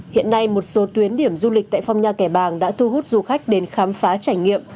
hiện nay một số tuyến điểm du lịch tại phong nha kẻ bàng đã thu hút du khách đến khám phá trải nghiệm